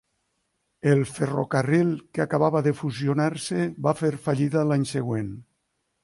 El ferrocarril que acabava de fusionar-se va fer fallida l'any següent.